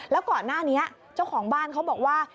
แล้วก่อนหน้านี้เจ้าของบ้านเขาบอกว่า